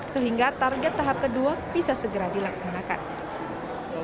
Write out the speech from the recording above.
sehingga target tahap kedua bisa segera dilaksanakan